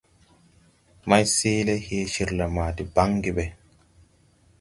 Mayseeele he cirla ma de baŋge ɓɛ.